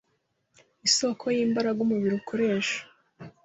Isoko y’imbaraga umubiri ukoresha